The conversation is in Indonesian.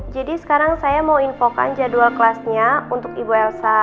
jadi sekarang saya mau infokan jadwal kelasnya untuk ibu elsa